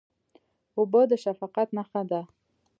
اوبه د شفقت نښه ده.